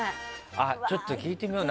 ちょっと聞いてみよう。